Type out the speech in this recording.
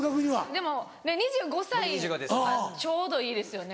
でも２５歳ちょうどいいですよね。